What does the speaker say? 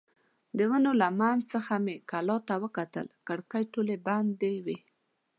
د ونو له منځ څخه مې کلا ته وکتل، کړکۍ ټولې بندې وې.